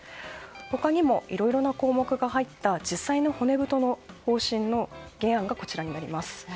他にもいろいろな項目が入った実際の骨太の方針の原案がこちらになります。